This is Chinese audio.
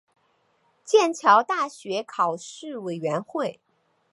剑桥大学考试委员会